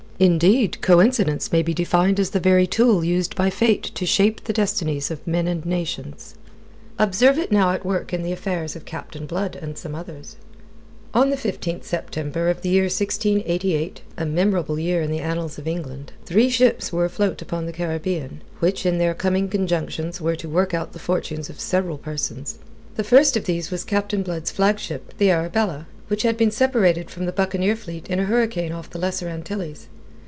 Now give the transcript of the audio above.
Indeed, coincidence may be defined as the very tool used by Fate to shape the destinies of men and nations. Observe it now at work in the affairs of Captain Blood and of some others. On the 15th September of the year 1688 a memorable year in the annals of England three ships were afloat upon the Caribbean, which in their coming conjunctions were to work out the fortunes of several persons. The first of these was Captain Blood's flagship the Arabella, which had been separated from the buccaneer fleet in a hurricane off the Lesser Antilles.